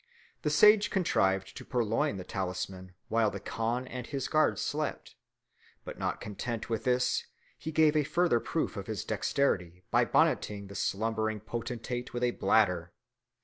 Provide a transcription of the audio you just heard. The sage contrived to purloin the talisman while the khan and his guards slept; but not content with this he gave a further proof of his dexterity by bonneting the slumbering potentate with a bladder.